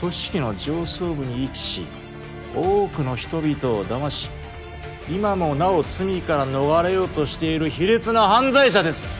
組織の上層部に位置し多くの人々を騙し今もなお罪から逃れようとしている卑劣な犯罪者です。